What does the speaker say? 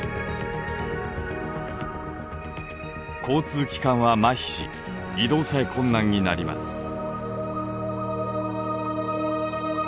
交通機関はまひし移動さえ困難になります。